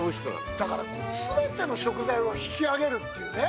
だから、全ての食材を引き上げるというね。